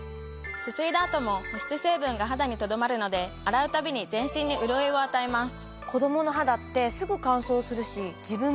すすいだ後も保湿成分が肌にとどまるので洗うたびに全身に潤いを与えます。